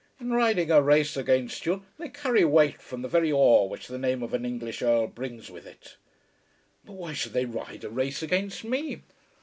In riding a race against you they carry weight from the very awe which the name of an English Earl brings with it." "Why should they ride a race against me?"